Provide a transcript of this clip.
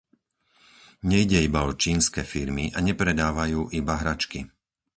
Nejde iba o čínske firmy a nepredávajú iba hračky.